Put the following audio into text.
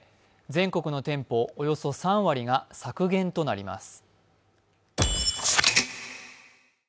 全国の店舗およそ３割が削減となります。